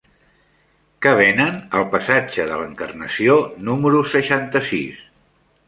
Què venen al passatge de l'Encarnació número seixanta-sis?